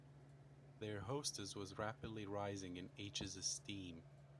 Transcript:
Their hostess was rapidly rising in H.'s esteem.